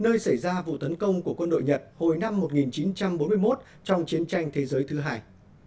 nơi xảy ra vụ tấn công của quân đội nhật hồi năm một nghìn chín trăm bốn mươi một trong chiến tranh thế giới thứ hai